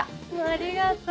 ありがとう。